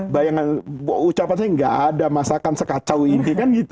bayangan ucapan saya tidak ada masakan sekacau ini